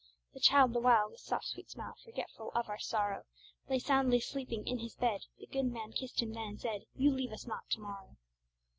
The child the while, with soft, sweet smile Forgetful of all sorrow, Lay soundly sleeping in his bed. The good man kissed him then, and said: "You leave us not to morrow!